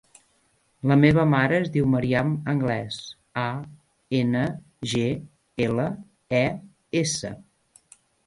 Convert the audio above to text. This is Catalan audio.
La meva mare es diu Maryam Angles: a, ena, ge, ela, e, essa.